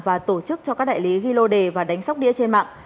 và tổ chức cho các đại lý ghi lô đề và đánh sóc đĩa trên mạng